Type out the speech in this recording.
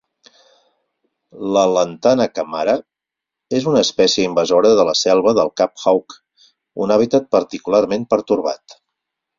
La "lantana camara" és una espècie invasora de la selva del Cap Hawke, un hàbitat particularment pertorbat.